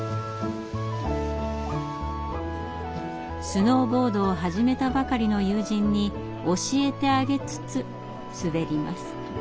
スノーボードを始めたばかりの友人に教えてあげつつ滑ります。